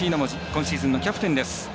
今シーズンのキャプテンです。